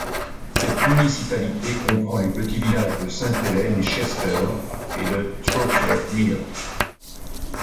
Cette municipalité comprend les petits villages de Sainte-Hélène de Chester et de Trottier Mill.